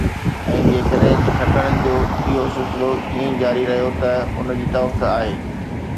۽ جيڪڏهن کٽڻ جو اهو سلسلو ائين ئي جاري رهيو ته ان جي توقع آهي